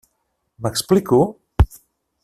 M'explico?